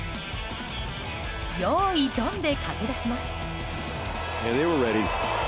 よーいドンで駆け出します。